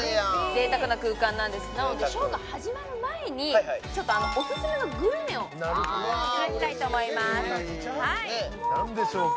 贅沢な空間なんですなのでショーが始まる前にオススメのグルメをいただきたいと思います何でしょうか？